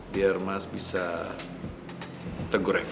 biar mas bisa teguh reva